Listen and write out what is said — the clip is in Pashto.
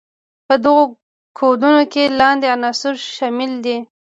په دغو کودونو کې لاندې عناصر شامل دي.